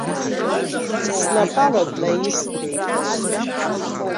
Снапала днаисҭеит.